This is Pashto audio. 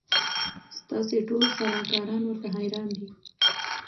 ستاسي ټول سلاکاران ورته حیران دي